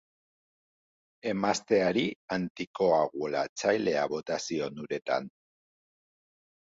Emazteari antikoagulatzailea bota zion uretan.